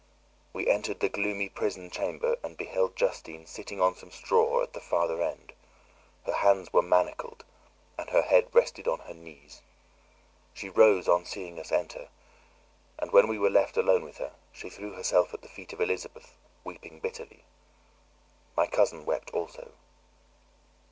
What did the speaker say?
We entered the gloomy prison chamber and beheld Justine sitting on some straw at the farther end; her hands were manacled, and her head rested on her knees. She rose on seeing us enter, and when we were left alone with her, she threw herself at the feet of Elizabeth, weeping bitterly. My cousin wept also.